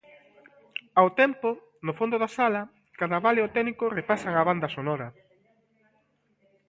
Ao tempo, no fondo da sala, Cadaval e o técnico repasan a banda sonora.